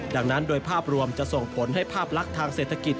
ดังนั้นโดยภาพรวมจะส่งผลให้ภาพลักษณ์ทางเศรษฐกิจ